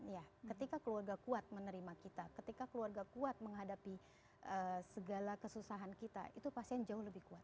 ya ketika keluarga kuat menerima kita ketika keluarga kuat menghadapi segala kesusahan kita itu pasien jauh lebih kuat